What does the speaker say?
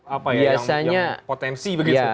apa ya yang punya potensi begitu